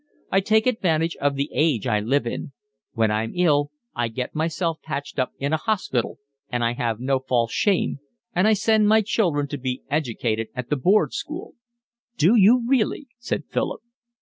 I take advantage of the age I live in. When I'm ill I get myself patched up in a hospital and I have no false shame, and I send my children to be educated at the board school." "Do you really?" said Philip.